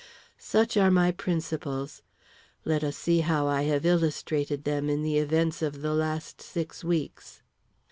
Such are my principles. Let us see how I have illustrated them in the events of the last six weeks.